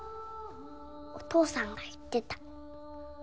おとうさんがいってた。